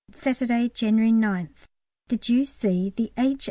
Saturday, January 9th. Did you see the H.